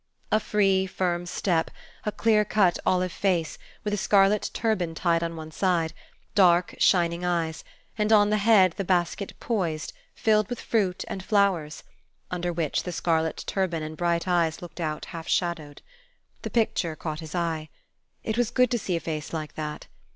A free, firm step, a clear cut olive face, with a scarlet turban tied on one side, dark, shining eyes, and on the head the basket poised, filled with fruit and flowers, under which the scarlet turban and bright eyes looked out half shadowed. The picture caught his eye. It was good to see a face like that.